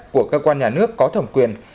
của cơ quan nhà nước có thẩm quyền